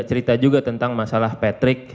cerita juga tentang masalah patrick